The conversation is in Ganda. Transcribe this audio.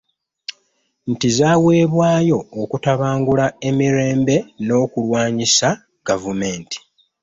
Nti zaaweebwayo okutabangula emirembe n'okulwanyisa gavumenti